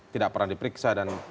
tidak pernah diperiksa dan